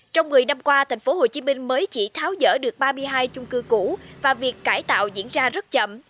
trong một mươi năm qua tp hcm mới chỉ tháo dỡ được ba mươi hai chung cư cũ và việc cải tạo diễn ra rất chậm